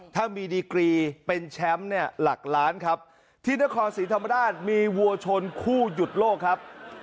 ถ้ามีดีกรีเป็นแชมป์เนี่ยหลักล้านครับที่นครศรีธรรมราชมีวัวชนคู่หยุดโลกครับ